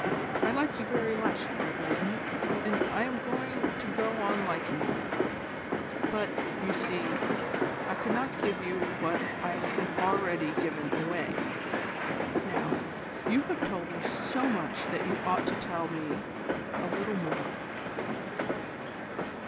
I like you very much, Lord Leighton, and I am going to go on liking you; but, you see, I could not give you what I had already given away. Now, you have told me so much that you ought to tell me a little more.